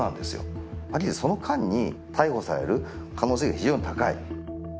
はっきり言ってこの間に逮捕される可能性が非常に高い。